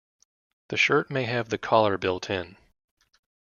The shirt may have the collar built in.